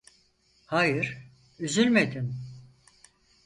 Hayır, üzülmedin.